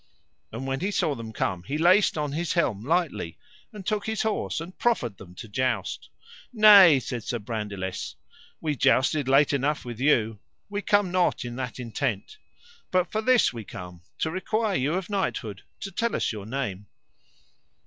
And when he saw them come he laced on his helm lightly, and took his horse, and proffered them to joust. Nay, said Sir Brandiles, we jousted late enough with you, we come not in that intent. But for this we come to require you of knighthood to tell us your name.